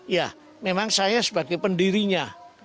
ya memang saya sebagai pendirinya